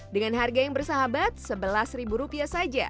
dengan harga yang bersahabat sebelas rupiah saja